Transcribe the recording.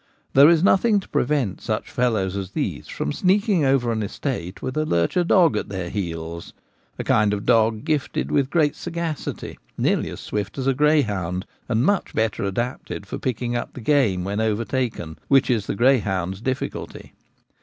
There is nothing to prevent such fellows as these from sneaking over an estate with a lurcher dog at their heels — a kind of dog gifted with great sagacity, nearly as swift as a greyhound, and much better adapted for picking up the game when overtaken, which is the greyhound's difficulty.